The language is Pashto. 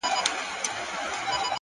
زحمت د موخو د رسېدو پل دی!.